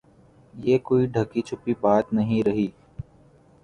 یہ کوئی ڈھکی چھپی بات نہیں رہی۔